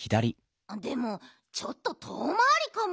でもちょっととおまわりかも。